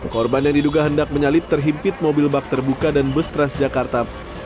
korban yang diduga hendak menyalip terhimpit mobil bak terbuka dan bus transjakarta